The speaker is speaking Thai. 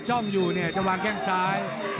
้อมอยู่เนี่ยจะวางแข้งซ้าย